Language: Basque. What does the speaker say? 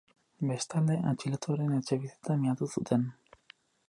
Bestalde, atxilotuaren etxebizitza miatu zuten.